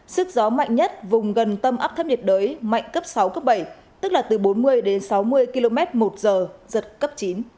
sức gió mạnh nhất vùng gần tâm áp thấp nhiệt đới mạnh cấp sáu cấp bảy tức là từ bốn mươi đến sáu mươi km một giờ giật cấp chín